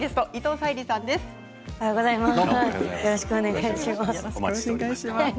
おはようございます。